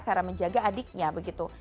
karena menjaga adiknya begitu